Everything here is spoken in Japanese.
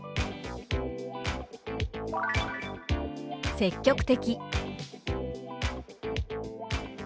「積極的」。